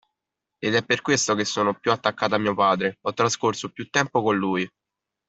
Ed è per questo che sono più attaccata a mio padre, ho trascorso più tempo con lui.